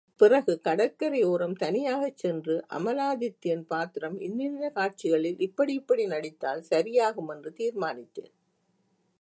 பிறகு கடற்கரையோரம் தனியாகச் சென்று, அமலாதித்யன் பாத்திரம் இன்னின்ன காட்சிகளில் இப்படி இப்படி நடித்தால் சரியாகுமென்று தீர்மானித்தேன்.